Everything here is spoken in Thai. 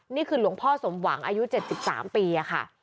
นี่คือหลวงพ่อสมหวังอายุ๗๓ปีค่ะ